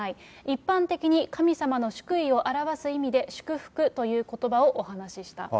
一般的に、神様の祝意を表す意味で、祝福ということばをお話しした。